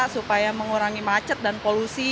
supaya mengurangi macet dan polusi